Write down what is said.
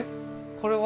これは？